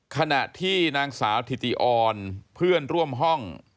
ขณะที่นางสาวถิติออนเพื่อนร่วมห้อง